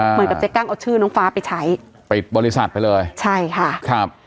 เหมือนกับเจ๊กล้างเอาชื่อน้องฟ้าไปใช้ไปบริษัทไปเลยใช่ค่ะครับ